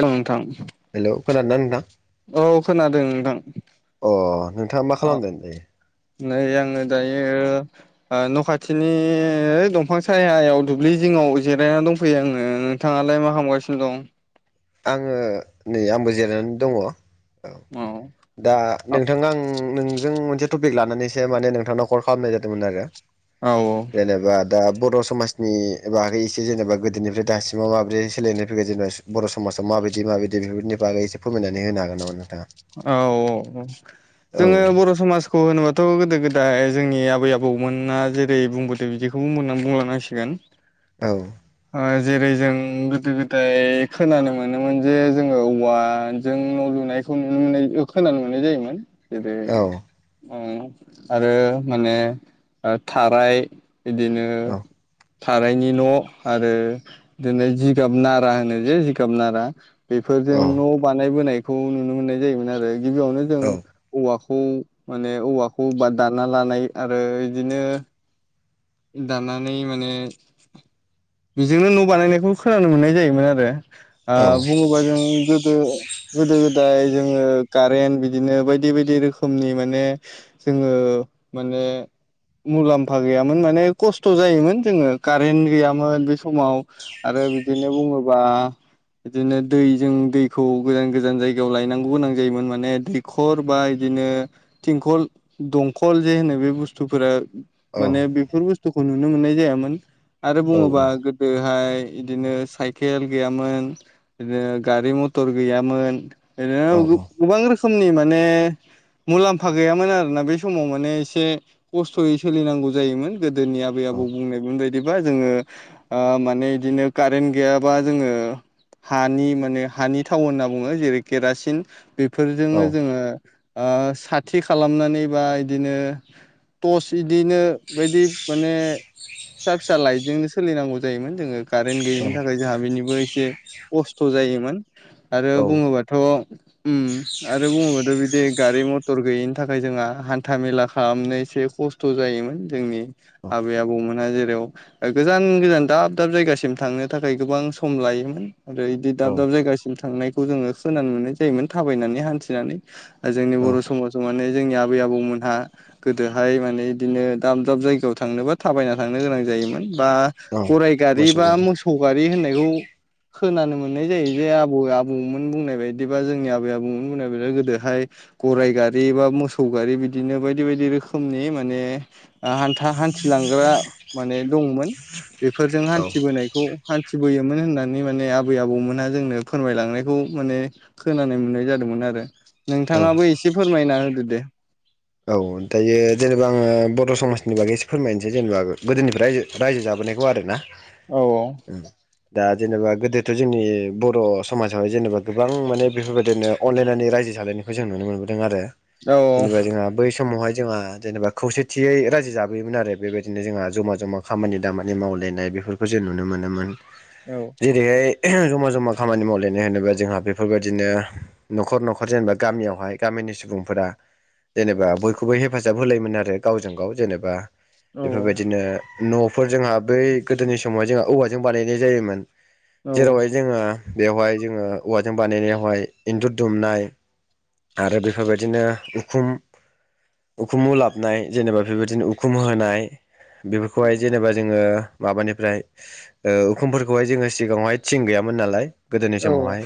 हेल नोंथां हेलौ खोनादोंना नोंथां [inaudible] औ खोनादों नोंथां अ नोंथाङा मा अ खालामदों? नै आङो दायो ओ न' खाथिनि बै दंफां सायायाव दुब्लि जिं नाव जिरायनानै दंफैयो आंनो नोंथाङालाय मा खालामगासिनो दं आङो नै आंबो जिरायनानै दङ औ दा नोंथाङा आं नोंजों एसे टपिक लानानैसो माने नोंथांनाव कल खालामनाय जादोंमोन आरो औ औ जेनेबा दा बर' समाजनि बागै एसे जेनेबा गोदोनिफ्राय दासिमाव माब्रै सोलायनाय फैगोन जेनेबा बर' समाजाव माबायदि माबायदि बेफोरनि बागै एसे फोरमायनानै होन हागोन नामा नोंथाङा? औ औ औ औ जोङो बर' समाजखौ होनोबाथ' गोदो गोद दा जोंनि आबै आबौमोना जेरै बुंबोदों बिदिखौनानै बुंलांनांसिगोन औ ओ जेरै जों गोदो गोदाय खोनानो मोनोमोन जे जोङो औवाजों न' लुनाय नुनो मोननाय खोनानो मोननाय जायोमोन जेरै औ आरो माने थाराय बिदिनो औ थारायनि न' आरो बिदि जिगाब नारा होनो जे जिगाब नारा औ बेफोरजों न' बानायबोनायखौ नुनो मोननाय जायोमोन आरो गिबियावनो जों औवाखौ खौ माने औवाखौबा दाना लानाय आरो बिदिनो दानानै माने बेजोंनो न' बानायनायखौ खोनानो मोननाय जायोमोन आरो ओ औ बुङोबा जों गोदो गोदो गोदाय जोङो कारेन्ट बिदिनो बायदि बायदि रोखोमनि माने जोङो माने मुलाम्फा गैया मोन माने खस्थ' जायोमोन जोङो कारेन्त गैयामोन बे समाव आरो बिदिनो बुङोबा आ बिदिनो दै जों दैखौ गोजान गोजान जायगायाव लायनांगौ गोनां जायोमोन माने दैखर बा इदि बिदिनो थिंखल दंखल जे होनो बे बुस्थुफोरा औ माने बेफोर बुस्थुखौ नुनो मोननाय जायामोन आरो औ औ बुङोबा गोदो ओमफाय इदिनो साइकेल गैयामोन इदिनो गारि मथर गैयामोन। [unintelligible] गोबां रोखो मनि माने मुलाम्फा गैयामोन आरोना बे समाव माने एसे खस्थ'यै सोलिनांगौ जायोमोन गोदोनि आबै आबौ बुंनायबो दिबा जोङो ओ माने बिदिनो कारेन्ट गैयाबा जोङो हानि माने ओ साथि खालामनानै बा इदिनो टर्स इदिनो बायदि माने फिसा फिसा लाइटजोंनो सोलिनांगौ जायोमोन जोङो। कारेन्ट गैयिनि थाखाय जोंहा बेनिबो एसे खस्थ' जायोमोन। आरो बुङोबाथ' उम आरो बुङोबाथ' बिदि गारि मथर गैयिनि थाखाय जोंहा हान्था मेला खालामनो एसे खस्थ' जायोमोन जोंनि आबै आबौमोनहा जे बेयाव गोजान गोजान दाब दाब जायगासिम थांनो थाखाय गोबां सम लायोमोन। आरो बिदि औ दाब दाब जायगासिम थांनायखौ जोङो खोनानो मोननाय जायोमोन थाबायनानै हान्थिनानै। जोंनि औ बर' समाजाव माने जोंनि आबै आबौमोनहा गोदोहाय माने इदिनो दाब दाब जायगायाव थांनोबा थाबायना थांनो गोनां जायोमोन। बा औ गराय गारि बा मोसौ गारि होननायखौ खोनानो मोननाय जायो जे आबै आबौमोन बुंनाय बायदिबा जोंनि आबै आबौमोन बुंनाय बायदि गोदोहाय गराइ गारि बा मोसौ गारि बिदिनो बायदि बायदि रोखोमनि माने ओ हान्था हान्थिलांग्रा माने दंमोन। बेफोरजों औ हान्थिबोनायखौ हान्थिबोयोमोन होननानै माने [unintelligible] आबै आबौमोनहा जोंनो फोरमायलांनायखौ माने खोनानाय मोननाय जादोंमोन आरो। औ नोंथाङाबो एसे फोरमायना होदो दे। औ दायो जेनेबा आङो बर' समाज नि बागै एसे फोरमायनोसै जेनेबा गोदोनिफ्राय रायजो रायजो जाबोनायखौ आरो ना औ दा जेनेबा गोदोथ' जोंनि बर' समाजावहाय जेनेबा गोबां माने बेफोरबायदिनो अनलायनानै रायजो। जालायनायखौ जों नुनो मोनबोदों आरो। औ जेनेबा जोंहा बै समावहाय जोंहा जेनेबा खौसेथियै रायजो जाबोयोमोन आरो बेबायदिनो जोंहा जमा जमा खामानि दामानि माव लायनाय बेफोरखौ जों नुनो मोनोमोन औ जेरैहाय [unintelligible] जमा जमा खामानि मावलायनाय होनोबा जोंहा बेफोरबायदिनो न'खर न'खर जेनेबा गामियावहाय गामि नि सुबुंफोरा जेनेबा बयखौबो हेफाजाब होलायोमोन आरो गावजों गाव जेनेबा बेफोरबायदिनो न'फोर जोंहा बै गोदोनि समावहाय जोंहा औवाजों बानायनाय जायोमोन औ जेरावहाय जोंहा बेवहाय जोङो औवाजों बानायनायावहाय इन्न्दुर दुमनाय आरो बेफोरबायदिनो उखुम उखुमु उलाबनाय जेनेबा बेबायदिनो उखुम होनाय [inaudible] माबानिफ्राय ओ उखुमफोरखौहाय जोङो सिगाङावहाय थिं गैयामोन नालाय। गोदोनि समावहाय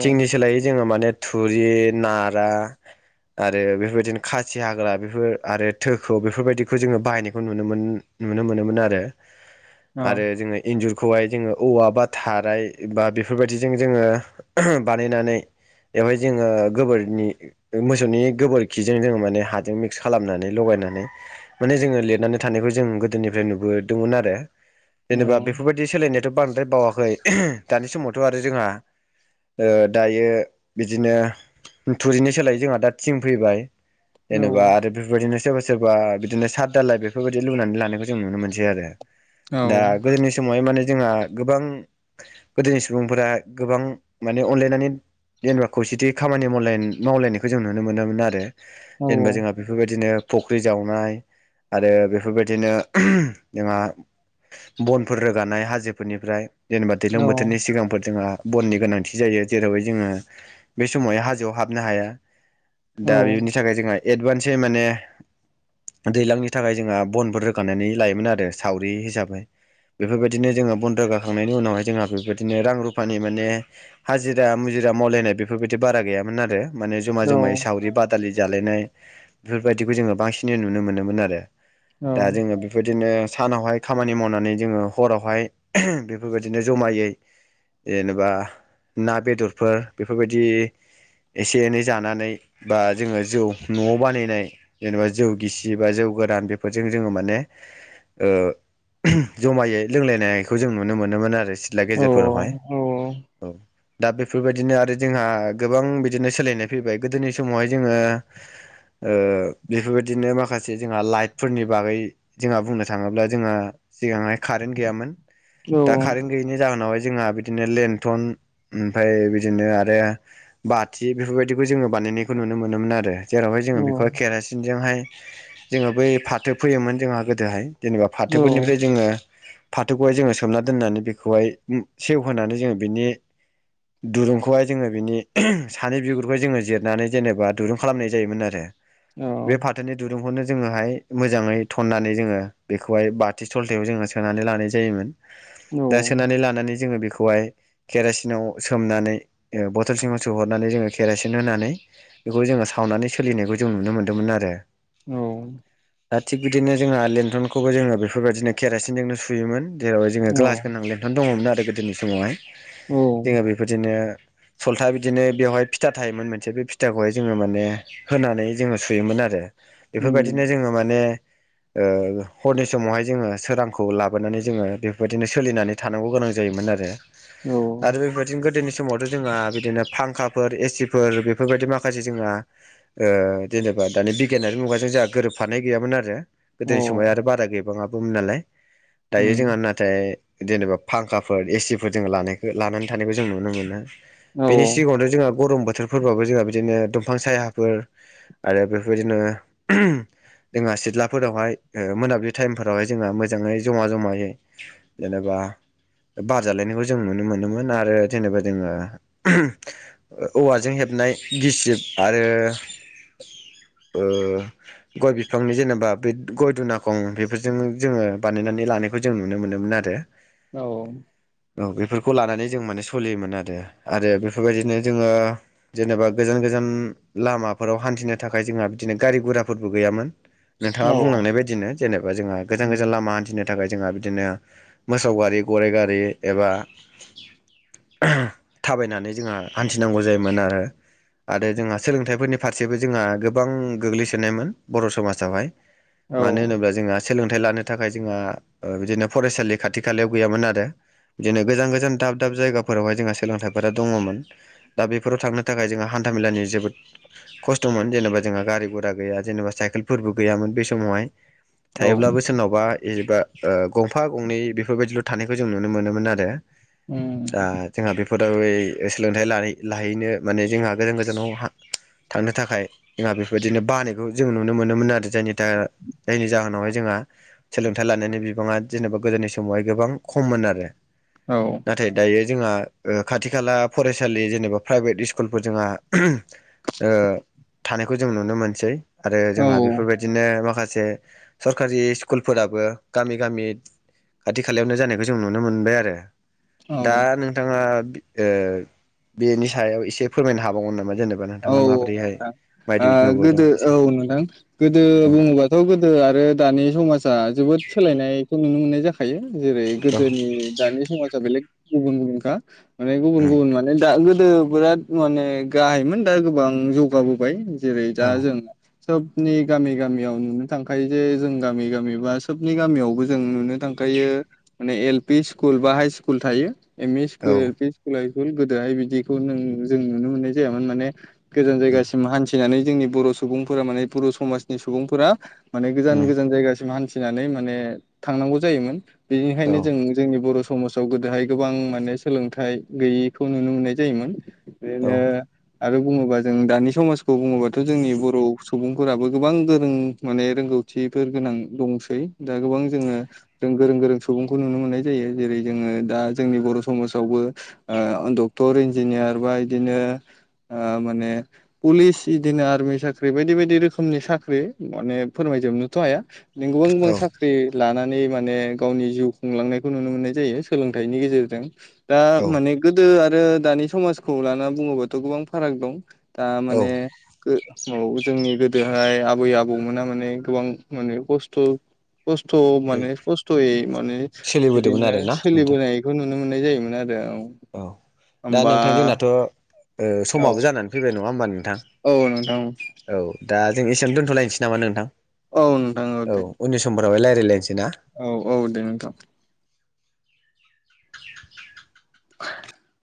थिंनि सोलायै जोङो माने थुरि नारा आरो बेफोरबायदिनो खासि हाग्रा बेफोर आरो थोखौ बेफोरबायदिखौ जोङो बायनायखौ नुनो मोनो नुनो मोनोमोन आरो आरो जोङो इन्जुर खौहाय जोङो औवा बा थाराय बा बेफोरबायदिजों जोङो बानायनानै बेवहाय जोङो गोबोरनि मोसौनि गोबोरखि जों जोङो माने हाजों मिक्स खालामनानै लगायनानै माने जोङो लिरनानै थानायखौ जों गोदोनिफ्राय नुबो दोमोन आरो जेनेबा बेफोरबायदि सोलायनाय द' बांद्राय बावाखै [unintelligible] दानि समावथ' आरो जोंहा ओ दायो बिदिनो थुरिनि सोलाय जोंहा दा थिं फैबाय जेनेबा आरो बेफोरबायदिनो सोरबा [unintelligible] सोरबा बिदिनो साद दालाय बेफोरबायदि लुनानै लानायबो जों नुनो मोनसै आरो दा गोदोनि समावहाय माने जोंहा गोबां गोदोनि सुबुंफोरा गोबां माने अनलायनानै जेनेबा खौसेथि खामानि मावलायन मावलायनायखौ जों नुनो मोनोमोन आरो जेनेबा जोंहा बेफोरबायदिनो फख्रि जावनाय आरो बेफोरबायदिनो [unintelligible] जोंहा बनफोर रोगानाय हाजोफोरनिफ्राय जेनेबा दैलां बोथोरनि सिगांफोर जोंहा बननि गोनांथि जायो जेरावहाय जोङो बे समावहाय हाजोआव हाबनो हाया दा बेनि थाखाय जोंहा एडभान्से माने दैलांनि थाखाय जोंहा बनबो रोगानानै लायोमोन आरो सावरि हिसाबै बेफोरबायदिनो जोङो बन रोगाखांनायनि उनावहाय जोंहा बेफोरबायदिनो रां रुफानि माने हाजिरा [unintelligible] जिरा मावलायनाय बेफोरबायदि बारा गैयामोन आरो माने जमा जमायै सावरि बादालि जालायनाय बेफोरबायदिखौ जोङो बांसिन नुनो मोनोमोन आरो। दा जोङो बेबायदिनो सानावहाय खामानि मावनानै जोङो हरावहाय [unintelligible] बेफोरबायदिनो जमायै जेनेबा ना बेदरफोर बेफोरबायदि एसे एनै जानानै बा जोङो जौ न'आव बानायनाय जेनेबा जौ गिसि बा जौ गोरान बेफोरजों जोङो माने ओ [unintelligible] जमायै लोंलायनायखौ जों नुनो मोनोमोन आरो सिथ्ला गेजेरफोरावहाय औ दा बेफोरबायदिनो आरो जोंहा गोबां बिदिनो सोलायनाय फैबाय गोदोनि समावहाय जोङो ओ बेफोरबायदिनो माखासे जोंहा लाइटफोरनि बागै जोंहा बुंनो थाङोब्ला जोंहा सिगांहाय खारेन्ट गैयामोन दा खारेन्ट गैयिनि जाहोनावहाय ज जोङा बिदिनो लेनथन ओमफाय बिदिनो आरो बाथि बेफोरबायदिखौ जोङो बानायनाय खौ नुनो मोनोमोन आरो जेरावहाय जोङो बेखौहाय केरासिनजोंहाय जोङो बै फाथो फोयोमोन जोंहा गोदोहाय जेनेबा फाथोफोरनिफ्राय जोङो फाथोखौहाय जोङो सोमना दोननानै बेखौहाय [unintelligible] सेवहोनानै जोङो बिनि दुरुंखौहाय जोङो बिनि [unintelligible] सानि बिगुरखौहाय जोङो जिरनानै जेनेबा दुरुं खालामनाय जायोमोन आरो बे फाथोनि दुरुंखौनो जोङोहाय मोजाङै थननानै जोङो बेखौहाय बाथि सलथायाव जोङो सोनानै लानाय जायोमोन। दा सोनानै लानानै जोङो बेख खौहाय केरासिनाव सोमनानै ओ बथ'ल सिङाव सोहरनानै जोङो केरासिन होनानै बेखौ जोङो सावनानै सोलिनायखौ जों नुनो मोन्दोमोन आरो औ [unintelligible] थिग बिदिनो जोंहा लेन्थनखौबो जोङो बेफोरबायदिनो केरासिनजोंनो सुयोमोन। जेरावहाय जोङो ग्लास गोनां लेन्थन दङ'मोन आरो गोदोनि समावहाय जोङो बेफोरदिनो सलथा बिदिनो बेवहाय फिथा थायोमोन मोनसे बे [unintelligible] थाखौहाय जोङो माने होनानै जोङो सुयोमोन आरो बेफोरबायदिनो जोङो माने ओ हरनि समावहाय जोङो सोरांखौ लाबोनानै जोङो बेबायदिनो सोलिनानै थानांगौ गोनां जायोमोन आरो आरो बेफोरबायदिनो गोदोनि समावथ' जोंहा बिदिनो फांखाफोर एसिफोर बे फोरबायदि माखासे जोंहा ओ जेनेबा दानि बिगियानारि मुगाजों जोंहा गोरोबफानाय गैयामोन आरो। गोदोनि समाय आरो बारा गैबाङाबोमोमोन नालाय दायो जोंहा नाथाय [unintelligible] नेबा फांखाफोर एसिफोर जों लानायखो लानानै थानायखौ जों नुनो मोनो। बेनि सिगाङावनोथ' जोंहा गरम बोथोरफो [unintelligible] बाबो जोंहा बिदिनो दंफां सायाफोर आरो बेफोरदिनो [unintelligible] जोंहा सिथ्लाफोरावहाय मोनाबिलि टाइमफोरावहाय जोंहा मोजाङै जमा जमायै जेनेबा बा बार जालायनायखौ जों नुनो मोनोमोन आरो जेनेबा जोङो औवाजों हेब नाय गिसिब आरो ओ गय बिफांनि जेनेबा बे गय दुनाखं बेफोरजों जोङो बानायनानै लानाय खौ जों नुनो मोनोमोन आरो औ औ बेफोरखौ लानानै जों माने सोलियोमोन आरो आरो बेफोरबायदिनो जोङो जेनेबा गोजान गोजान लामाफोराव हान्थिनो थाखाय जोंहा बिदिनो गारि गुराफोरबो गैयामोन नोंथाङा बुंलांनाय बदिनो जेनेबा जोंहा गोजान गोजान लामा हान्थिनो थाखाय जोंहा बिदिनो मोसौ गारि गराइ गारि एबा थाबायनानै जोंहा हान्थिनांगौ जायोमोन आरो आरो जोंहा सोलोंथाइफोरनि फारसेबो जोंहा गोबां गोग्लैसोनायमोन बर' समाजावहाय मानो होनोब्ला जोंहा सोलोंथाइ लानो थाखाय जोंहा ओ बिदिनो फरायसालि खाथि खालायाव गैयामोन आरो बिदिनो गोजान गोजान दाब दाब जायगाफोरावहाय जोंहा सोलोंथाइफोरा दङमोन दा बेफोराव थांनो थाखाय जोंहा हान्था मेलानि जोबोद खस्थ'मोन जेनेबा जोंहा गारि गुरा गैया जेनेबा साइकेलफोरबो गैयामोन बे समावहाय थायोब्लाबो सोरनावबा एबा ओ गंफा गंनै बेफोरबायदिल' थानायखौ जों नुनो मोनोमोन आरो दा जोंहा बेफोरावै सोलोंथाइ लायै लाहैनो माने जोंहा गोजान गोजानाव हा थांनो थाखाय जोंहा बेबायदिनो बानायखौ जों नुनो मोनोमोन आरो जायनि थाखाय जायनि जाहोनावहाय जोंहा सोलोंथाइ लानानै बिबाङा जेनेबा गोदोनि समावहाय गोबां खममोन आरो नाथाय दायो जोंहा ओ खाथि खाला फरायसालि जेनेबा प्राइभेट इस स्कुलफोर जोंहा ओ थानायखौ जों नुनो मोनसै आरो जोंहा बेफोरबायदिनो माखा से सरखारि स्कुलफोराबो गामि गामि खाथि खालायावनो जानायखौ जों नुनो मोनबाय आरो दा नोंथाङा ओ बेनि सायाव एसे फोरमायनो हाबावगोन ना औ नोंथाङा औ माबोरैहाय नोंथां ओ नुबोदों गोदो एसे औ नोंथां गोदो बुङोबाथ' गोदो आरो दानि समाजा जोबोद सोलायनायखौ नुनो मोननाय जाख खायो जेरै गोदोनि दानि समाजा बेले गुबुन गुबुनखा माने गुबुन गुबुन माने दा गोदो बिराद माने गाहायमोन दा गोबां जौगाबोबाय जेरै दा जों सबनि गामि गामियाव नुनो थांखायो जे जों गामि गामि बा सोबनि गामियावबो जों नुनो थां खायो माने एल पि स्कुल बा हाइ स्कुल थायो M E school L P स्कुलुल गोदोहाय बिदिखौ नों जों नुनो मोननाय जायामोन माने गोजान जायगासिम हान्थिनानै जोंनि बर' सुबुंफोरा माने बर' समाजनि सुबुंफोरा माने गोजान गोजान जायगासिम हान्थिनानै माने थांनांगौ जायोमोन बेनिखायनो जों सोलिबोदोंमोन जोंनि बर' समाजाव गोदोहाय गोबां माने सोलोंथायाइ गैयैखौ नुनो मोननाय जायोमोन बेदिनो आरो बुङोबा जों दानि समाजखौ बुङोबाथ' जोंनि बर' सुबुंफोराबो गोबां गोरों माने रोंगौथिफोर गोनां दंसै दा गोबां जोङो गोरों गोरों सुबुंखौ नुनो मोननाय जायो जेरै जोङो दा जोंनि बर' समाजावबो ओ डक्टर इन्जिनियार बा बिदिनो ओ माने पुलिस बिदिनो आर्मि साख्रि बायदि बायदि रोखोमनि साख्रि माने फोरमाय जो बनोथ' हाया बिदिनो गुबुन गुबुन साख्रि लाना नै माने गावनि जिउ खुंलांनायखौ नुनो मोननाय जायो सोलोंथाइनि गेजेरजों दा माने गोदो आरो दानि समाजखौ ला बुङोबाथ' गोबां फाराग दं। दा माने गो औ जोंनि गोदोहाय आबै आबौमोना माने गोबां माने खस्थ'। खस्थ' माने खस्थ'यै माने बिदिनो आरोना नोंथां सोलिबोनायखौ नुनो। नुनो मोननाय जायोमोन आरो औ। औ दा होमबा नोंथां जोंनाथ'। ओ औ समाबो जानानै फैबाय नङा होमबा नोंथां औ नोंथां औ। दा जों एसे दोनथ'लायनोसै नामा नोंथां। औ नोंथां औ दे। हरावहाय लायलायनोसै। औ औ दे नोंथां। [inaudible] [unintelligible]